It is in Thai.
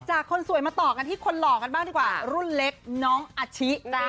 คนสวยมาต่อกันที่คนหล่อกันบ้างดีกว่ารุ่นเล็กน้องอาชิ